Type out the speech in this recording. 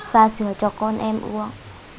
và sửa cho con em uống